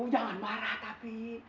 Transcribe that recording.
jangan marah tapi